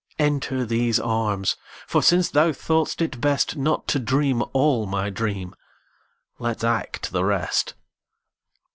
Enter these arms, for since thou thought'st it bestNot to dream all my dream, let's act the rest.